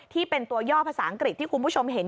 ที่เป็นตัวย่อภาษาอังกฤษที่คุณผู้ชมเห็น